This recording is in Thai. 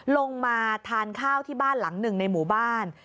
ลงมาทานข้าวที่บ้านหลังหนึ่งในหมู่บ้าน